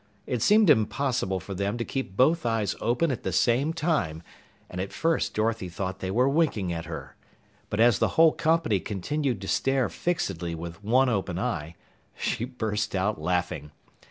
It seemed impossible for them to keep both eyes open at the same time, and at first Dorothy thought they were winking at her. But as the whole company continued to stare fixedly with one open eye, she burst out laughing.